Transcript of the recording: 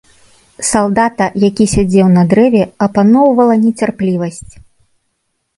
Салдата, які сядзеў на дрэве, апаноўвала нецярплівасць.